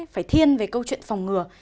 phải thiên về câu chuyện phòng ngừa